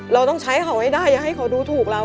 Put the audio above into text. เราต้องใช้เขาให้ได้อย่าให้เขาดูถูกเรา